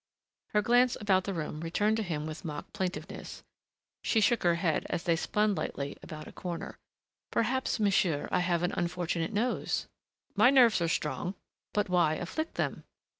Her glance about the room returned to him with mock plaintiveness. She shook her head as they spun lightly about a corner. "Perhaps, monsieur, I have an unfortunate nose." "My nerves are strong." "But why afflict them?"